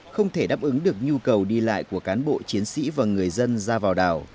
không thể đáp ứng được nhu cầu đi lại của cán bộ chiến sĩ và người dân ra vào đảo